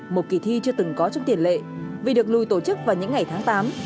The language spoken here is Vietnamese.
một kỳ thi chưa từng có trong tiền lệ vì được lùi tổ chức vào những ngày tháng tám